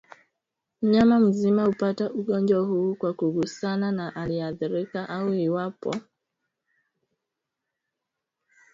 Mnyama mzima hupata ugonjwa huu kwa kugusana na aliyeathirika au iwapo ataegemea sehemu zilizotumiwa